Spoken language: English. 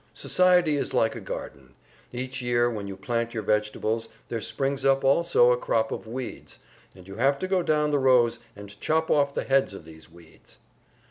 Society is like a garden; each year when you plant your vegetables there springs up also a crop of weeds, and you have to go down the rows and chop off the heads of these weeds.